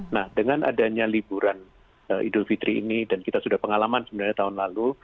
nah dengan adanya liburan idul fitri ini dan kita sudah pengalaman sebenarnya tahun lalu